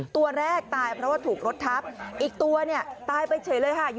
ตัวแรกตายเพราะว่าถูกรถทับอีกตัวเนี่ยตายไปเฉยเลยค่ะ